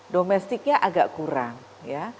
domestiknya agak kurang ya